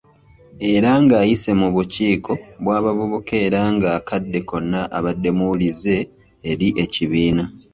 Era ng'ayise mu bukiiko bw’abavubuka era ng'akadde konna abadde muwulize eri ekibiina.